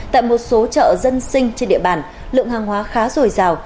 tại một số chợ dân sinh trên địa bàn lượng hàng hóa khá rồi rào